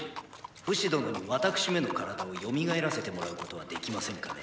フシ殿に私めの体を蘇らせてもらうことはできませんかね？